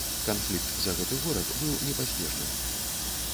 Канфлікт за гэты горад быў непазбежным.